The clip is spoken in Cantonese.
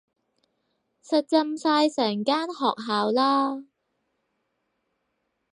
實浸晒成間學校啦